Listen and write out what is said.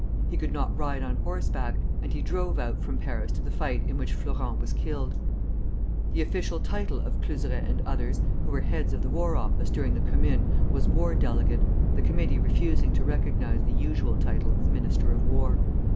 He could not ride on horseback, and he drove out from Paris to the fight in which Flourens was killed. The official title of Cluseret and others, who were heads of the War Office during the Commune, was War Delegate, the committee refusing to recognize the usual title of Minister of War.